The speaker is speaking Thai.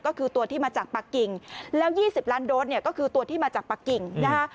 ก็คือตัวที่มาจากปากกิ่งแล้ว๒๐ล้านโดสเนี่ยก็คือตัวที่มาจากปากกิ่งนะฮะ